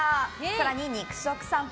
更に、肉食さんぽ。